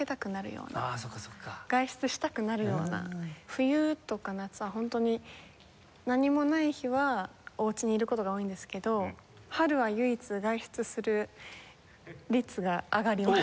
冬とか夏はホントに何もない日はお家にいる事が多いんですけど春は唯一外出する率が上がります。